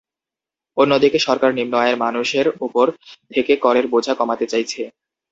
অন্যদিকে সরকার নিম্ন আয়ের মানুষের ওপর থেকে করের বোঝা কমাতে চাইছে।